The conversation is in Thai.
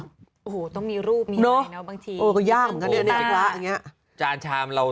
โอ้โฮต้องมีรูปมีไหลนะว่าบางที